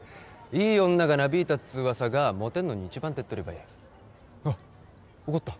いい女がなびいたっつう噂がモテんのに一番手っ取り早いあっ怒った？